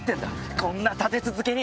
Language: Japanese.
こんな立て続けに。